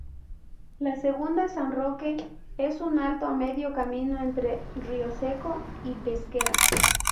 La segunda, San Roque, en un alto a medio camino entre Rioseco y Pesquera.